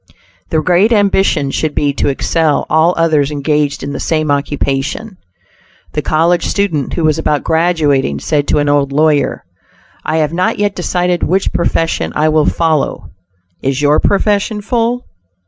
The great ambition should be to excel all others engaged in the same occupation. The college student who was about graduating, said to an old lawyer: "I have not yet decided which profession I will follow. Is your profession full?"